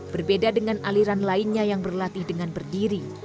berbeda dengan aliran lainnya yang berlatih dengan berdiri